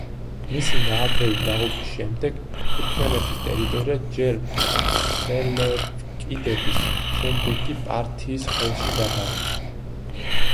მისი ნაადრევი დაღუპვის შემდეგ თურქმენეთის ტერიტორია ჯერ სელევკიდების, შემდეგ კი პართიის ხელში გადავიდა.